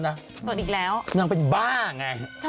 นางเป็นบ้าไง